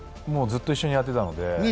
ずっと一緒にやってたので。